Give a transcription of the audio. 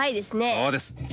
そうです。